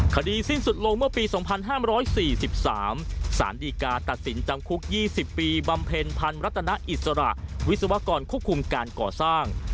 คดีสิ้นสุดลงเมื่อปี๒๕๔๓สารดีกาตัดสินจำคุก๒๐ปีบำเพ็ญพันธ์รัตนอิสระวิศวกรควบคุมการก่อสร้าง